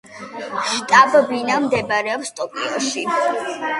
შტაბ-ბინა მდებარეობს ტოკიოში.